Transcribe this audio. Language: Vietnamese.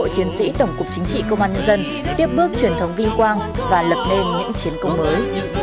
chiến sĩ tổng cục chính trị công an nhân dân tiếp bước truyền thống vinh quang và lập nên những chiến công mới